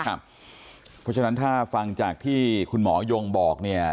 เพราะฉะนั้นถ้าฟังจากที่คุณหมอยงบอกเนี่ย